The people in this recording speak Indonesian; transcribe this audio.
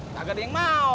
kagak dia yang mau